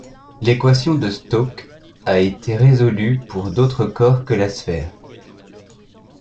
L’équation de Stokes a été résolue pour d’autres corps que la sphère.